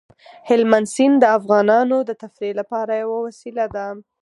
هلمند سیند د افغانانو د تفریح لپاره یوه وسیله ده.